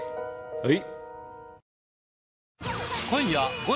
はい。